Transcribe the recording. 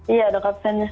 iya ada kaptennya